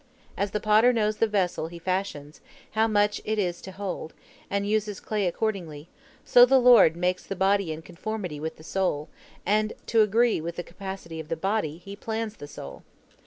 As the potter knows the vessel he fashions, how much it is to hold, and uses clay accordingly, so the Lord makes the body in conformity with the soul, and to agree with the capacity of the body He plans the soul.